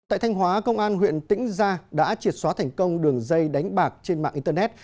tại thanh hóa công an huyện tĩnh gia đã triệt xóa thành công đường dây đánh bạc trên mạng internet